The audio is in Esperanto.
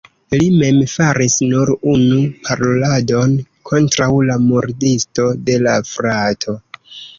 Li mem faris nur unu paroladon kontraŭ la murdisto de la frato.